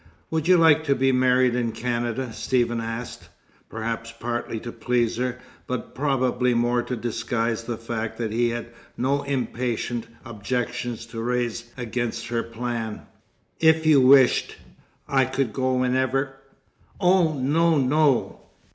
"Would you like to be married in Canada?" Stephen asked; perhaps partly to please her, but probably more to disguise the fact that he had no impatient objections to raise against her plan. "If you wished, I could go whenever " "Oh no, no!"